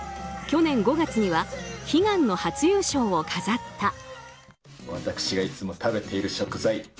去年５月には悲願の初優勝を飾った。